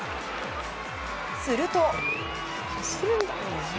すると。